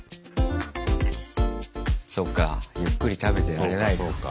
そっかゆっくり食べてられないか。